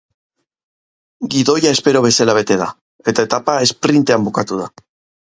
Gidoia espero bezala bete da, eta etapa esprintean bukatu da.